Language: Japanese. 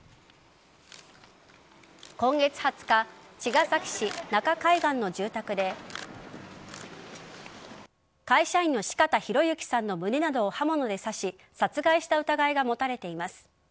今月２０日茅ヶ崎市中海岸の住宅で会社員の四方洋行さんの胸などを刃物で刺し殺害した疑いが持たれています。